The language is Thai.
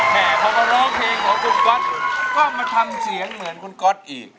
สีเสียงเหมือนคนก๊อตอีก